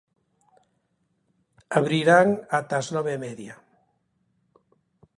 Abrirán ata as nove e media.